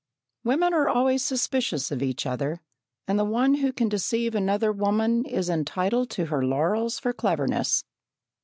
Women are always suspicious of each other, and the one who can deceive another woman is entitled to her laurels for cleverness.